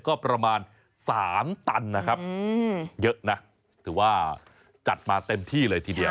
ก็ประมาณ๓ตันนะครับเยอะนะถือว่าจัดมาเต็มที่เลยทีเดียว